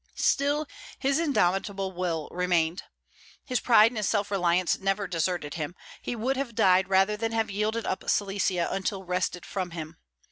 Still his indomitable will remained. His pride and his self reliance never deserted him; he would have died rather than have yielded up Silesia until wrested from him.